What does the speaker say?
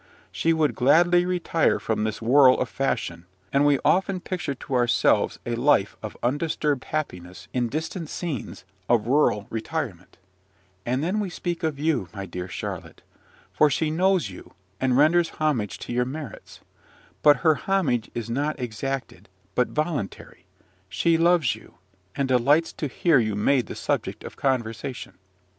She would gladly retire from this whirl of fashion, and we often picture to ourselves a life of undisturbed happiness in distant scenes of rural retirement: and then we speak of you, my dear Charlotte; for she knows you, and renders homage to your merits; but her homage is not exacted, but voluntary, she loves you, and delights to hear you made the subject of conversation.